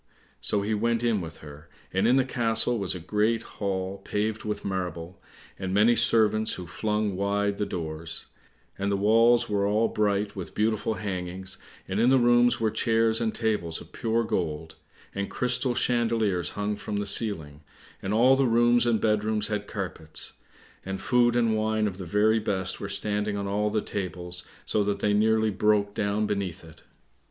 So he went in with her, and in the castle was a great hall paved with marble, and many servants, who flung wide the doors; And the walls were all bright with beautiful hangings, and in the rooms were chairs and tables of pure gold, and crystal chandeliers hung from the ceiling, and all the rooms and bed rooms had carpets, and food and wine of the very best were standing on all the tables, so that they nearly broke down beneath it.